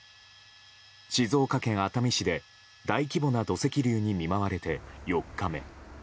静岡県熱海市で大規模な土石流に見舞われて４日目。